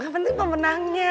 gak penting pemenangnya